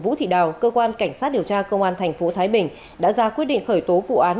vũ thị đào cơ quan cảnh sát điều tra công an tp thái bình đã ra quyết định khởi tố vụ án